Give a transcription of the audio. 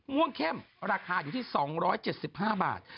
ม่วงเข้มราคาอยู่ที่๒๗๕บาท